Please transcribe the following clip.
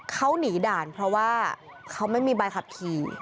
เขาหนีด่านเพราะว่าเขาไม่มีใบขับขี่